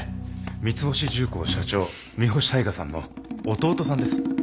三ツ星重工社長三星大海さんの弟さんです。